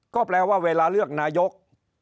ก็แปลว่าเวลาเลือกนายก